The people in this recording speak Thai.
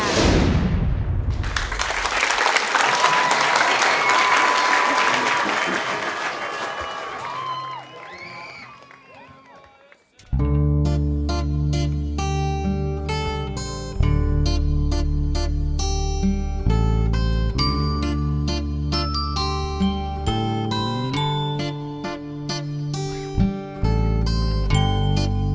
มองเทพธรรม